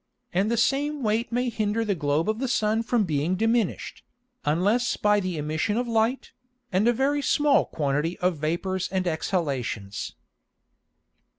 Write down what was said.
And the same weight may hinder the Globe of the Sun from being diminish'd, unless by the Emission of Light, and a very small quantity of Vapours and Exhalations.